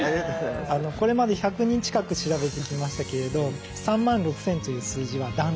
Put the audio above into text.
これまで１００人近く調べてきましたけれど３万６，０００という数字は断トツで１位。